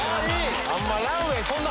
あんまランウェイそんな